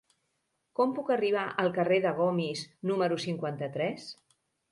Com puc arribar al carrer de Gomis número cinquanta-tres?